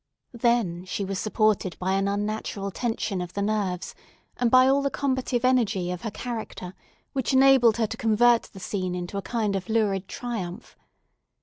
Then, she was supported by an unnatural tension of the nerves, and by all the combative energy of her character, which enabled her to convert the scene into a kind of lurid triumph.